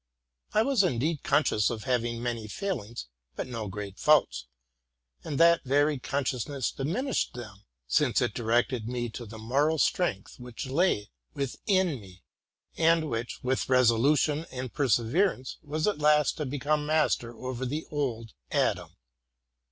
I was indeed conscious of having many failings, but no great faults; and that very consciousness diminished them, since it directed me to the moral strength which lay within me. and which, with resolution and perseverance, was at last to become master over the old Adam.